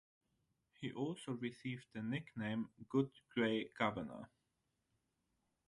He also received the nickname, Good Gray Governor.